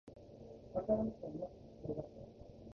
和歌山県那智勝浦町